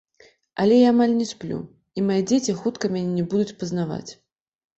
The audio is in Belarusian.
Але я амаль не сплю, і мае дзеці хутка мяне не будуць пазнаваць.